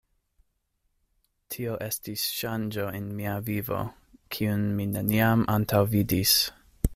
Tio estis ŝanĝo en mia vivo, kiun mi neniam antaŭvidis.